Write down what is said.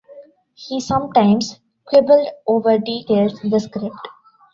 He sometimes quibbled over details in the script.